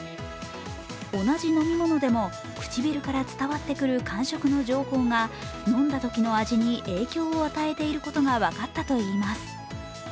同じ飲み物でも唇から伝わってくる感触の情報が飲んだときの味に影響を与えていることが分かったといいます。